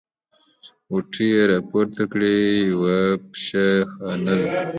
غوټې يې راپورته کړې: یوه پشه خانه ده.